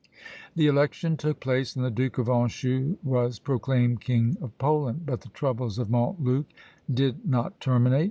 The election took place, and the Duke of Anjou was proclaimed King of Poland but the troubles of Montluc did not terminate.